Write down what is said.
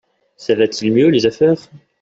ça va t’il mieux, les affaires ?